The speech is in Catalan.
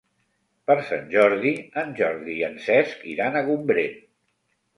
Per Sant Jordi en Jordi i en Cesc iran a Gombrèn.